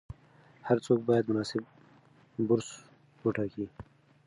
هر څوک باید مناسب برس وټاکي.